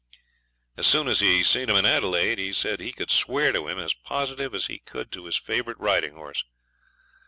As soon as he seen him in Adelaide he said he could swear to him as positive as he could to his favourite riding horse.